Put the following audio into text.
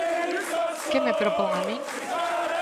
¿Que me propón a min?